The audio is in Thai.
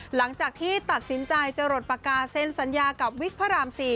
หลังจากที่ตัดสินใจจะหลดปากกาเซ็นสัญญากับวิกพระราม๔